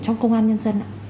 trong công an nhân dân